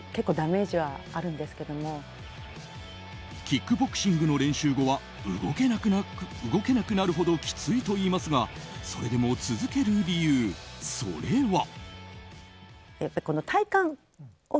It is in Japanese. キックボクシングの練習後は動けなくなるほどきついといいますがそれでも続ける理由、それは。